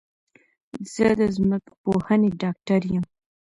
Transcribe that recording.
زه د ځمکپوهنې ډاکټر یم